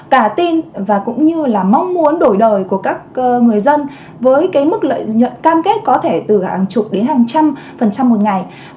cả tin và cũng như là mong muốn đổi đời của các người dân với cái mức lợi nhuận cam kết có thể từ hàng chục đến hàng trăm phần trăm một ngày